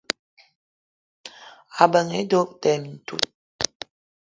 Ebeng doöb te mintout.